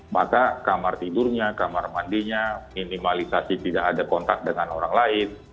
maka kamar tidurnya kamar mandinya minimalisasi tidak ada kontak dengan orang lain